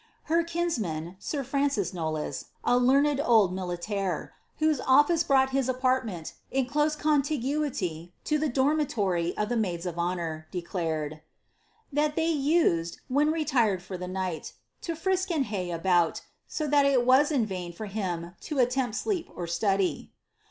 Her kinsman, sir Francis Knollys, a learned old ntililaire, whose office brought his apartment in close contiguity to the dormilon of ihe maids of honour, declared '■'■ that they used, when retired for the nighu to frisk and hey about, so that it was in vain fur him lo attempi !^)eep or study."